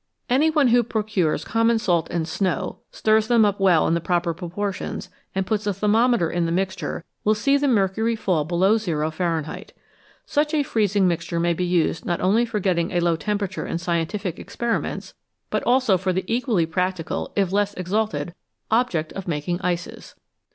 Any one who procures common salt and snow, stirs them up well in the proper proportions, and puts a thermometer in the mixture will see the mercury fall below zero Fahrenheit. Such a freezing mixture may be used not only for getting a low temperature in scientific experiments, but also for the equally practical, if less exalted, object of making ices.